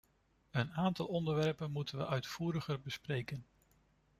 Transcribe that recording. Een aantal onderwerpen moeten we uitvoeriger bespreken.